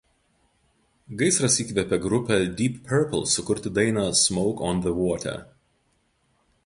Gaisras įkvėpė grupę Deep Purple sukurti dainą „Smoke on the water“.